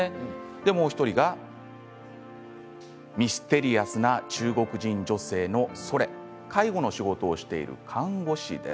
もう１人がミステリアスな中国人女性のソレ介護の仕事をしている看護師です。